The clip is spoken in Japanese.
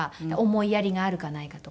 思いやりがあるかないかとか。